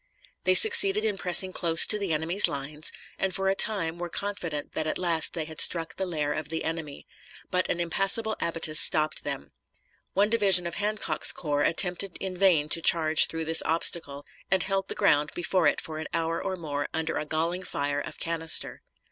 They succeeded in pressing close to the enemy's lines, and for a time were confident that at last they had struck the lair of the enemy, but an impassable abatis stopped them. One division of Hancock's corps attempted in vain to charge through this obstacle, and held the ground before it for an hour or more under a galling fire of canister.